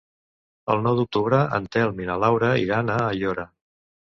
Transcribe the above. El nou d'octubre en Telm i na Laura iran a Aiora.